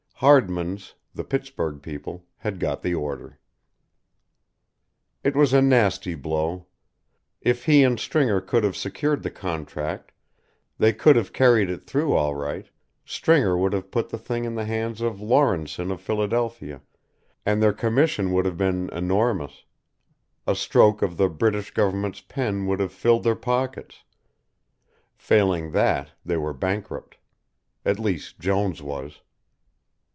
Hardmans', the Pittsburg people, had got the order. It was a nasty blow. If he and Stringer could have secured the contract, they could have carried it through all right, Stringer would have put the thing in the hands of Laurenson of Philadelphia, and their commission would have been enormous, a stroke of the British Government's pen would have filled their pockets; failing that they were bankrupt. At least Jones was.